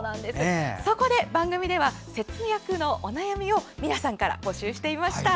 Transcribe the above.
そこで、番組では節約のお悩みを皆さんから募集していました。